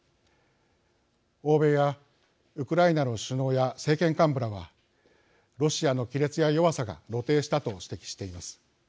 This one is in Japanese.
欧米やウクライナの首脳や政権幹部らはロシアの亀裂や弱さが露呈したと指摘しています。